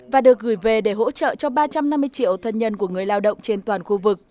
và được gửi về để hỗ trợ cho ba trăm năm mươi triệu thân nhân của người lao động trên toàn khu vực